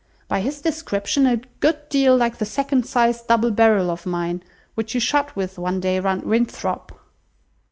By his description, a good deal like the second size double barrel of mine, which you shot with one day round Winthrop."